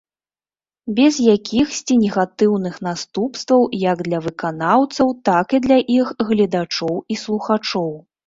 Без якіхсьці негатыўных наступстваў як для выканаўцаў, так і для іх гледачоў і слухачоў.